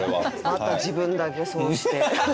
また自分だけそうして。